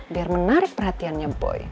biar menarik perhatiannya boy